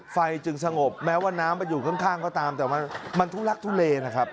ฟัยจึงสงบแม้ว่าน้ำไปอยู่ข้างก็ตามมันทุลักษณ์ทุเล